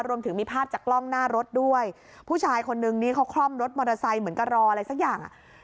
รวมถึงมีภาพจากกล้องหน้ารถด้วยผู้ชายคนนึงนี่เขาคล่อมรถมอเตอร์ไซค์เหมือนกับรออะไรสักอย่างอ่ะ